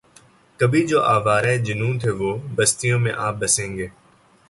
کبھی جو آوارۂ جنوں تھے وہ بستیوں میں آ بسیں گے